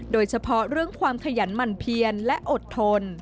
โดยเฉพาะเรื่องความขยันหมั่นเพียนและอดทน